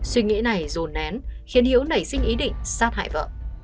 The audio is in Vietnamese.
suy nghĩ này rồn nén khiến hiếu nảy sinh ý định sát hại vợ